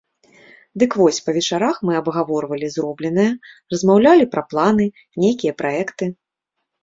Дык вось, па вечарах мы абгаворвалі зробленае, размаўлялі пра планы, нейкія праекты.